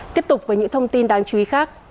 tiếp tục với những thông tin đáng chú ý khác